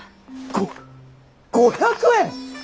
ご５００円！？